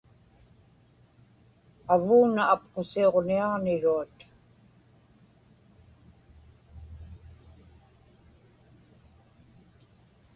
avuuna apqusiuġniaġniruat